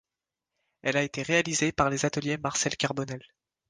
Elle a été réalisée par les Ateliers Marcel Carbonel.